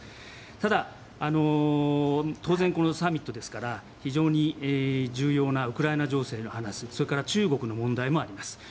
ただ、当然このサミットですから非常に重要なウクライナ情勢の話それから中国の話もあります。